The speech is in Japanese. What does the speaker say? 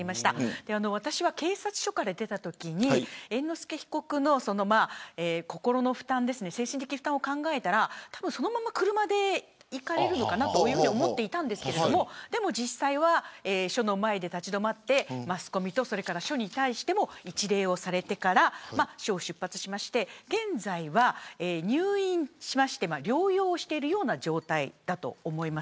私は警察署から出たときに猿之助被告の心の負担精神的負担を考えたらそのまま車で行かれるかと思いましたが実際は署の前で立ちどまってマスコミと署に対して一礼をしてから出発されまして現在は入院して療養しているような状態だと思います。